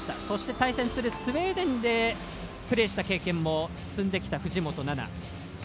そして、対戦するスウェーデンでプレーした経験も積んできた藤本那菜。